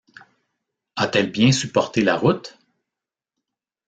A-t-elle bien supporté la route?